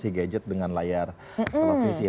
si gadget dengan layar televisi